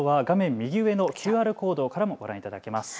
右上のＱＲコードからもご覧いただけます。